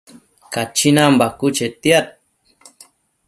Cachinan bacuë chetiad